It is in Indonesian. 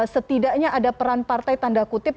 setidaknya ada peran partai tanda kutip